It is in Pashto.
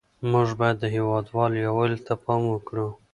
موږ باید د هېواد یووالي ته پام وکړو